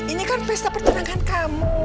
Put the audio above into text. ini kan pesta pertunangan kamu